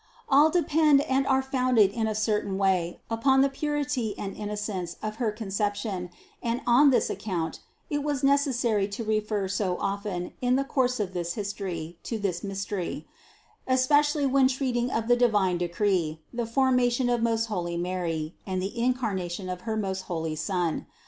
All depend and are founded in a certain way upon the purity and innocence of her Conception and on this account it was necessary to refer so often in the course of this history to this mystery, especially when treating of the divine decree, the formation of most holy Mary, and the incarnation of her most holy Son.